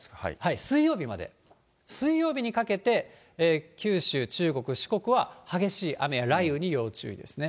水曜日まで、水曜日にかけて、九州、中国、四国は激しい雨や雷雨に要注意ですね。